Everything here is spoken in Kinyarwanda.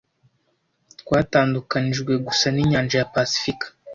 Twatandukanijwe gusa ninyanja ya pasifika.